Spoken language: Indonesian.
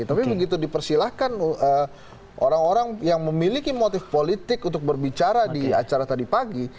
tapi begitu dipersilahkan orang orang yang memiliki motif politik untuk berbicara di acara tadi pagi